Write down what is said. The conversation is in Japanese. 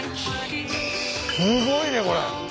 すごいねこれ。